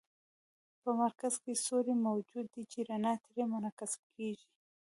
په مرکز کې سوری موجود دی چې رڼا ترې منعکسه کیږي.